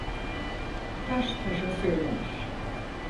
Taş taşa söylenir.